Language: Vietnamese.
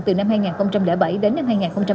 từ năm hai nghìn bảy đến năm hai nghìn một mươi ba